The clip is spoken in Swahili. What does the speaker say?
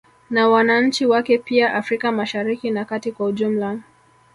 Na wananchi wake pia Afrika Mashariki na kati kwa ujumla